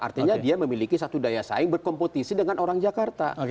artinya dia memiliki satu daya saing berkompetisi dengan orang jakarta